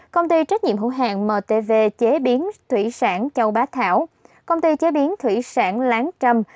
công ty trách nhiệm hữu hàng mtv chế biến thủy sản châu bá thảo công ty chế biến thủy sản láng trâm